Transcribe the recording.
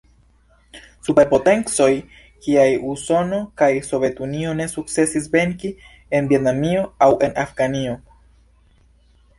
Superpotencoj kiaj Usono kaj Sovetunio ne sukcesis venki en Vjetnamio aŭ en Afganio.